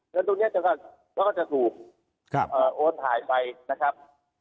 งานตรงนี้ก็ก็จะสูบเอาในบันทธิ์ไฟนะครับ